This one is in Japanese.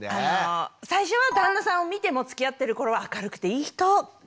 最初は旦那さんを見てもつきあってる頃は明るくていい人すてきだなと思ってたんです。